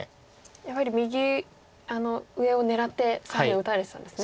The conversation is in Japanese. やはり右上を狙って左辺を打たれてたんですね。